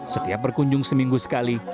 setiap berkunjung seminggu sekali